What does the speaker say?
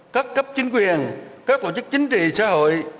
các cấp chính quyền các tổ chức chính trị xã hội